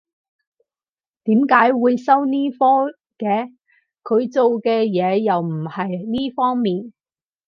點解會收呢科嘅？佢做嘅嘢又唔係呢方面